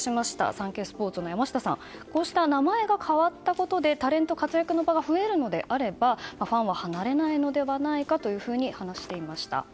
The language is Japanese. サンケイスポーツの山下さんは名前が変わったことでタレントの活躍の場が増えるのであればファンは離れないのではないかと話していました。